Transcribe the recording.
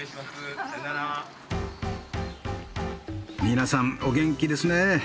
皆さんお元気ですね。